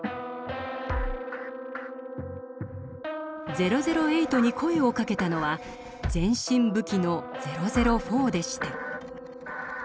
００８に声をかけたのは全身武器の００４でした。